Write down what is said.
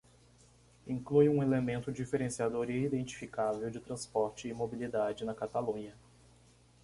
Inclui um elemento diferenciador e identificável de transporte e mobilidade na Catalunha.